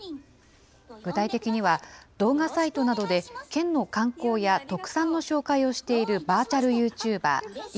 具体的には、動画サイトなどで県の観光や特産の紹介をしているバーチャルユーチューバー、茨